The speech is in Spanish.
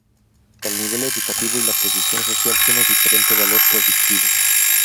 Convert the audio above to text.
El nivel educativo y la posición social tiene diferente valor predictivo.